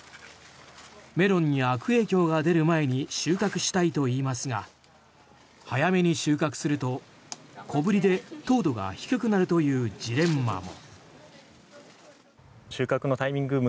メロンに悪影響が出る前に収穫したいといいますが早めに収穫すると小ぶりで糖度が低くなるというジレンマも。